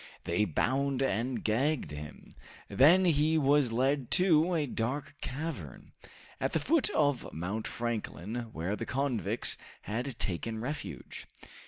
They bound and gagged him; then he was led to a dark cavern, at the foot of Mount Franklin, where the convicts had taken refuge.